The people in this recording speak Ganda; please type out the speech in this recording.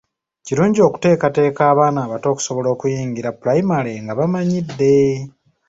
Kirungi okuteekateeka abaana abato okusobola okuyingira Pulayimale nga bamanyidde.